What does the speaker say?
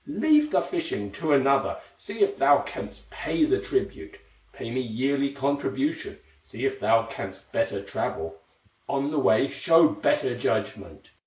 Leave the fishing to another; See if thou canst pay the tribute, Pay my yearly contribution; See if thou canst better travel, On the way show better judgment!"